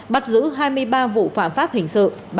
bắt giữ hai mươi ba vụ phạm pháp hình sự